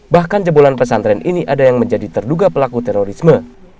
bahkan jebolan pesantren ini ada yang menjadi terduga pelaku terorisme